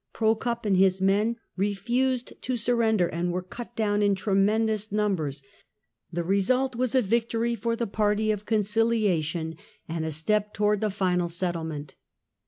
Prokop and his men refused to surrender and were cut down in tremendous numbers ; the result was a victory EMPIRE AND PAPACY, 1414 1453 173 for the party of conciliation, and a step towards the final settlement.